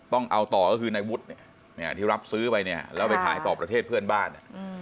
ต้องเอาต่อก็คือในวุฒิที่รับซื้อไปเนี่ยแล้วไปขายต่อประเทศเพื่อนบ้าน